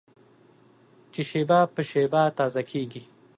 چې شېبه په شېبه تازه کېږي.